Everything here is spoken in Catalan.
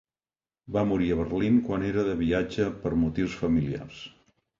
Va morir a Berlín quan era de viatge per motius familiars.